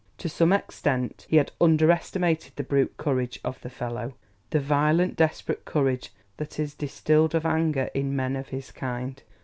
To some extent he had underestimated the brute courage of the fellow, the violent, desperate courage that is distilled of anger in men of his kind.